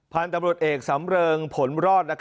พันธุ์ตำรวจเอกสำเริงผลรอด